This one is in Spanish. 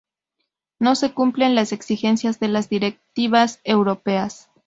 No se cumplen las exigencias de las directivas europeas